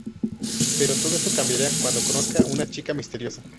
Pero todo eso cambiará cuando conozca una chica misteriosa...